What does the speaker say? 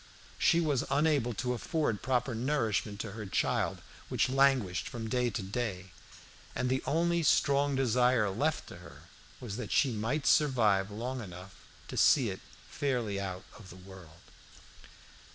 She was unable to afford proper nourishment to her child, which languished from day to day, and the only strong desire left to her was that she might survive long enough to see it fairly out of the world.